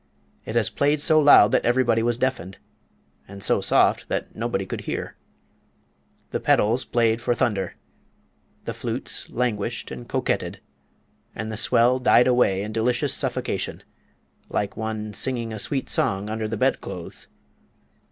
It has played so loud that everybody was deafened, and so soft that nobody could hear. The pedals played for thunder, the flutes languished and coquetted, and the swell died away in delicious suffocation, like one singing a sweet song under the bed clothes.